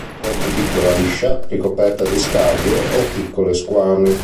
Con cuticola liscia, ricoperta di scaglie o piccole squame.